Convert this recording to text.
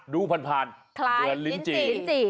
ดูผ่านเหลือลิ้นจี่